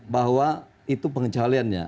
bahwa itu pengecualiannya